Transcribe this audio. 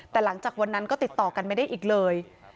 แต่หลังจากวันนั้นก็ติดต่อกันไม่ได้อีกเลย